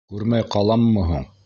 Күрмәй ҡаламмы һуң?